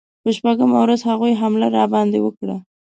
په شپږمه ورځ هغوی حمله راباندې وکړه.